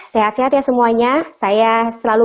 sehat sehat ya semuanya saya selalu